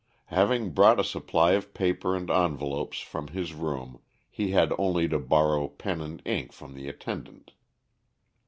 Having brought a supply of paper and envelopes from his room he had only to borrow pen and ink from the attendant.